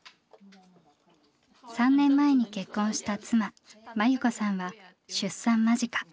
３年前に結婚した妻万由子さんは出産間近。